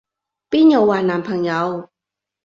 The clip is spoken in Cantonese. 邊有話男朋友？